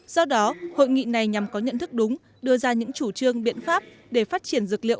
do đó hội nghị này nhằm có nhận thức đúng đưa ra những chủ trương biện pháp để phát triển dược liệu